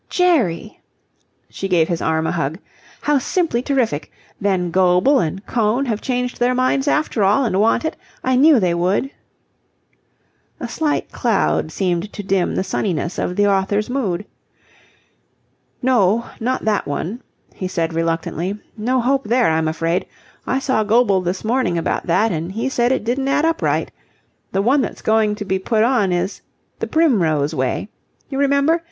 "Jerry!" She gave his arm a hug. "How simply terrific! Then Goble and Kohn have changed their minds after all and want it? I knew they would." A slight cloud seemed to dim the sunniness of the author's mood. "No, not that one," he said reluctantly. "No hope there, I'm afraid. I saw Goble this morning about that, and he said it didn't add up right. The one that's going to be put on is 'The Primrose Way.' You remember?